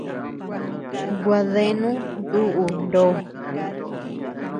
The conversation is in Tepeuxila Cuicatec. Gua deanu duʼu ndo.